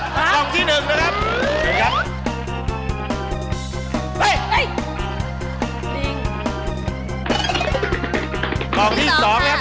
พร้อมรึครับกองที่๑นะครับ